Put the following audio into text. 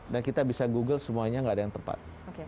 dan kita bisa google semuanya tidak ada yang tepat